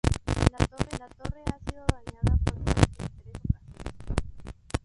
La torre ha sido dañada por terremotos en tres ocasiones.